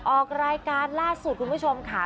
ออกรายการล่าสุดคุณผู้ชมค่ะ